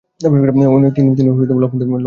তিনি লখনউতে বাস করছিলেন।